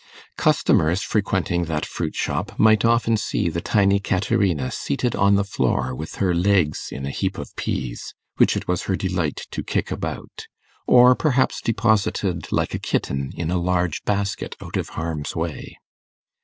Customers frequenting that fruit shop might often see the tiny Caterina seated on the floor with her legs in a heap of pease, which it was her delight to kick about; or perhaps deposited, like a kitten, in a large basket out of harm's way.